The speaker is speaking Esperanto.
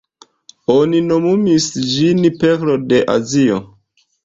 Oni nomumas ĝin "Perlo de Azio".